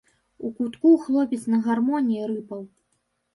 У кутку хлопец на гармоні рыпаў.